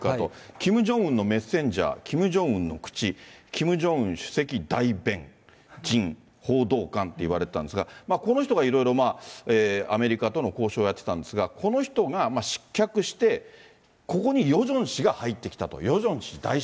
キム・ジョンウンのメッセンジャー、キム・ジョンウンの口、キム・ジョンウンの主席代弁人報道官と言われていたんですが、この人がいろいろアメリカとの交渉をやってたんですが、この人が失脚して、ここにヨジョン氏が入ってきたと。